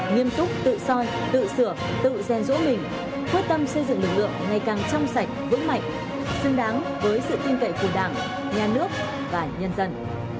nghiêm túc tự soi tự sửa tự ghen rỗ mình quyết tâm xây dựng lực lượng ngày càng trong sạch vững mạnh xứng đáng với sự tin cậy của đảng nhà nước và nhân dân